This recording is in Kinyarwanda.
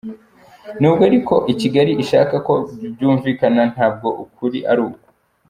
Nubwo ari ko Kigali ishaka ko byumvikana ntabwo ukuri ari uko.